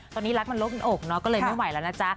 ตอนนี้รักมันล่มอกเนอะก็เลยไม่ไหวแล้วนะจ๊ะ